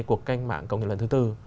cuộc cách mạng công nhập lần thứ bốn